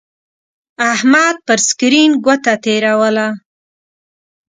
احمد پر سکرین گوته تېروله.